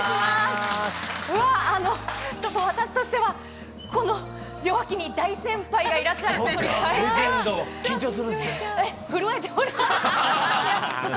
うわ、ちょっと私としては、この両脇に大先輩がいらっしゃるということで、緊張しております。